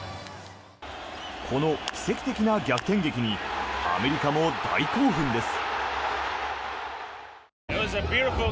この奇跡的な逆転劇にアメリカも大興奮です。